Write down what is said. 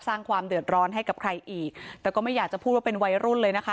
สร้างความเดือดร้อนให้กับใครอีกแต่ก็ไม่อยากจะพูดว่าเป็นวัยรุ่นเลยนะคะ